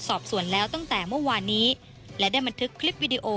สอบสวนแล้วตั้งแต่เมื่อวานนี้และได้บันทึกคลิปวิดีโอ